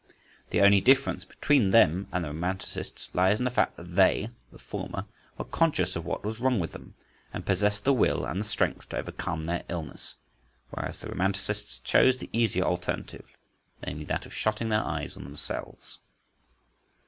The only difference between them and the romanticists lies in the fact that they (the former) were conscious of what was wrong with them, and possessed the will and the strength to overcome their illness; whereas the romanticists chose the easier alternative—namely, that of shutting their eyes on themselves.